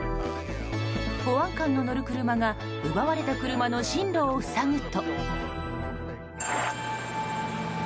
保安官の乗る車が奪われた車の進路を塞ぐと。